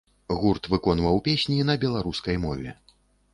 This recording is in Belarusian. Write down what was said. Гурт выконваў песні на беларускай мове.